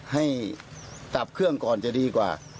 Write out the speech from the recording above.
ให้ตับเครื่องก่อนจะดีกว่า